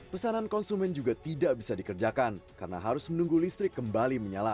pesanan konsumen juga tidak bisa dikerjakan karena harus menunggu listrik kembali menyala